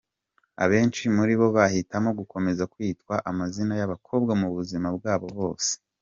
Abenshi muri bo bahitamo gukomeza kwitwa amazina y’abakobwa mu buzima bwabo bwose.